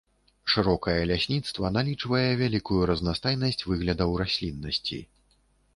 Шырокае лясніцтва налічвае вялікую разнастайнасць выглядаў расліннасці.